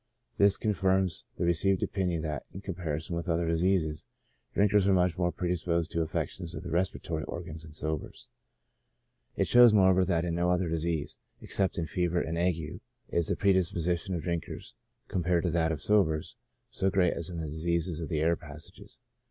This confirms the received opinion that, in comparison with other diseases, drinkers are much more predisposed to affections of the res piratory organs than sobers ; it shows, moreover, that in no other disease, except in fever and ague, is this predispo sition of drinkers, compared to that of sobers, so great as in diseases of the air passages.